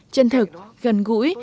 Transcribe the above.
chân thực gần gũi